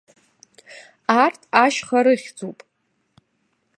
Арҭ ашьха рыхьӡуп.